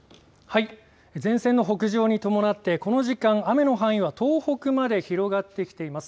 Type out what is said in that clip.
前線の北上に伴ってこの時間、雨の範囲は東北まで広がってきています。